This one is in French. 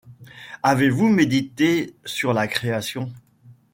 Avez-vous médité sur la création